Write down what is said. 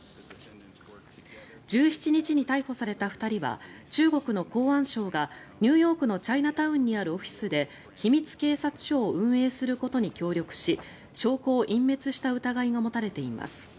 １７日に逮捕された２人は中国の公安省がニューヨークのチャイナタウンにあるオフィスで秘密警察署を運営することに協力し証拠を隠滅した疑いが持たれています。